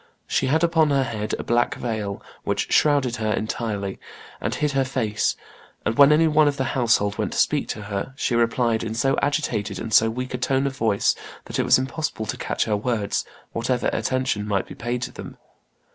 She had upon her head a black veil, which shrouded her entirely, and hid her face; and, when any one of the household went to speak to her, she replied in so agitated and so weak a tone of voice that it was impossible to catch her words, whatever attention might be paid to them.